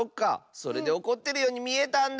それでおこってるようにみえたんだ！